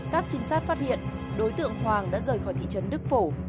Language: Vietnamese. các trinh sát phát hiện đối tượng hoàng đã rời khỏi thị trấn đức phổ